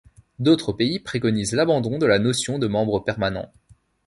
D'autres pays préconisent l'abandon de la notion de membre permanent.